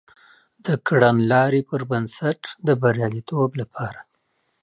د کړنلاري پر بنسټ د بریالیتوب لپاره